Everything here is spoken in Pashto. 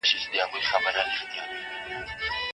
له هــر طـــعـــامـــه اوازونــــــــه راځــــــــــي